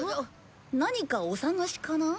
何かお探しかな？